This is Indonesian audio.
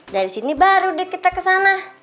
dari sini baru deh kita kesana